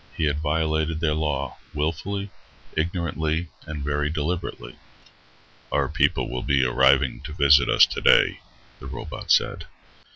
He had violated their law wilfully, ignorantly, and very deliberately. "Our people will be arriving to visit us today," the robot said.